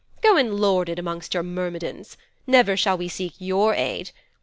Go and lord it amongst your Myrmidons. Never shall we seek your aid.